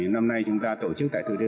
đã có ở đây